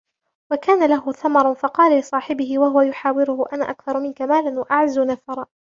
وَكَانَ لَهُ ثَمَرٌ فَقَالَ لِصَاحِبِهِ وَهُوَ يُحَاوِرُهُ أَنَا أَكْثَرُ مِنْكَ مَالًا وَأَعَزُّ نَفَرًا